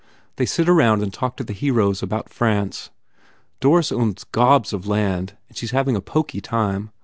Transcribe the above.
They sit about and talk to the heroes about France. Doris owns gobs of land and she s having a poky time.